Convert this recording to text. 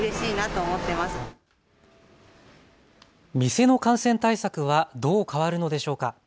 店の感染対策はどう変わるのでしょうか。